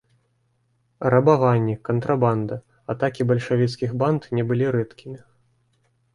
Рабаванні, кантрабанда, атакі бальшавіцкіх банд не былі рэдкімі.